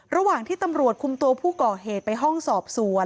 ระหว่างที่ตำรวจคุมตัวผู้ก่อเหตุไปห้องสอบสวน